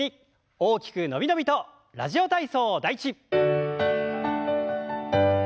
大きく伸び伸びと「ラジオ体操第１」。